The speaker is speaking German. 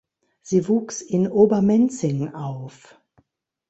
Sie wuchs in Obermenzing auf.